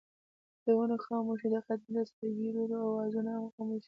د ونو خاموشۍ د ختمېدو سره دکيرړو اوازونه خاموش شول